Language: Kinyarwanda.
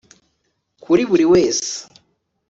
kuri buri wese